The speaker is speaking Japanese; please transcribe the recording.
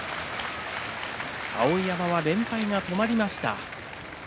碧山は連敗が止まりました。